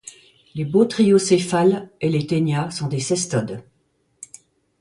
Les bothriocéphales et les ténias sont des cestodes.